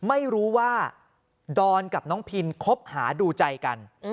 ไม่รู้ว่าดอนกับน้องพินคบหาดูใจกัน